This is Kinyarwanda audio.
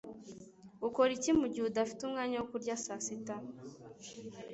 Ukora iki mugihe udafite umwanya wo kurya saa sita